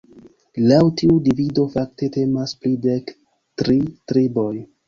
Laŭ tiu divido fakte temas pri dek tri triboj.